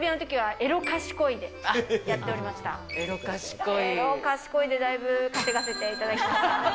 エロ賢いでだいぶ稼がせていただきました。